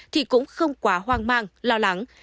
thì cũng không quá hoang mang lo lắng